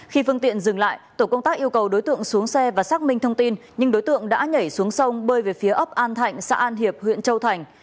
khi phương tiện dừng lại tổ công tác yêu cầu đối tượng xuống xe và xác minh thông tin nhưng đối tượng đã nhảy xuống sông bơi về phía ấp an thạnh xã an hiệp huyện châu thành